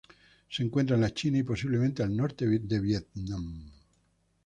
Se encuentra en la China y, posiblemente, al norte del Vietnam.